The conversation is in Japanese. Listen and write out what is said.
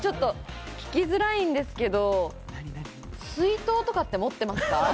聞きづらいんですけど、水筒とかって持ってますか？